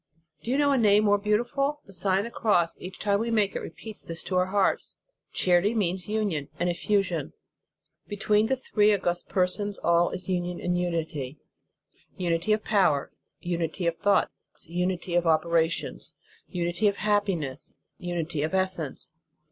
Do you .know a name more beauti ful ? And the Sign of the Cross, each time that we make it, repeats this to our hearts. Charity means union and effusion. Be tween the three august Persons all is union and unity: unity of power, unity of thoughts, unity of operations, unity of happiness, unity of essence.